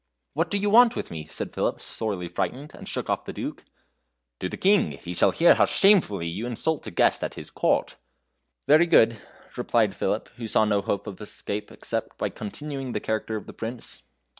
"What do you want with me?" said Philip, sorely frightened, and shook off the Duke. "To the King. He shall hear how shamefully you insult a guest at his court." "Very good," replied Philip, who saw no hope of escape, except by continuing the character of the Prince.